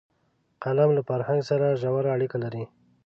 قلم له فرهنګ سره ژوره اړیکه لري